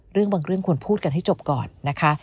เรื่องบางเรื่องควรพูดกันให้จบก่อนนะคะ